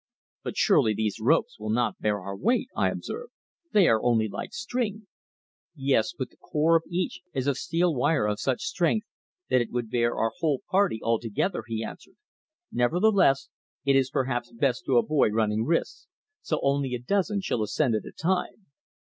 "But surely these ropes will not bear our weight!" I observed. "They are only like string." "Yes, but the core of each is of steel wire of such strength that it would bear our whole party all together," he answered. "Nevertheless, it is perhaps best to avoid running risks, so only a dozen shall ascend at a time."